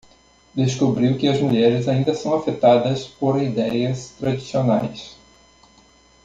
Descobriu que as mulheres ainda são afetadas por idéias tradicionais